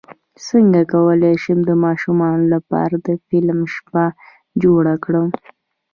څنګه کولی شم د ماشومانو لپاره د فلم شپه جوړه کړم